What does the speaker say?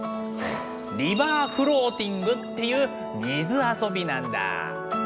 「リバーフローティング」っていう水遊びなんだ。